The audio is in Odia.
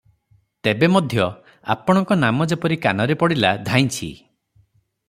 ତେବେ ମଧ୍ୟ ଆପଣଙ୍କ ନାମ ଯେପରି କାନରେ ପଡ଼ିଲା ଧାଇଁଛି ।"